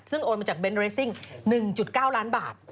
ซึ่งโอนมาจากเน้นเรสซิ่ง๑๙ล้านบาท